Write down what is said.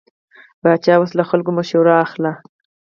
پاچا اوس له خلکو مشوره اخلي.